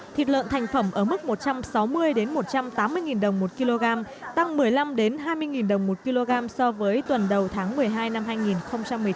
thịt lợn thành phẩm ở mức một trăm sáu mươi một trăm tám mươi đồng một kg tăng một mươi năm hai mươi đồng một kg so với tuần đầu tháng một mươi hai năm hai nghìn một mươi chín